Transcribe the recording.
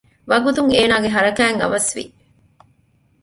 ވަގުތުން އޭނާގެ ހަރަކާތް އަވަސްވި